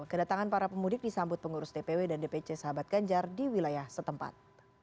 kedatangan para pemudik disambut pengurus dpw dan dpc sahabat ganjar di wilayah setempat